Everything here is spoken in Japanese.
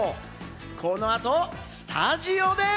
この後スタジオで！